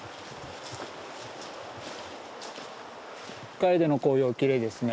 カエデの紅葉きれいですね。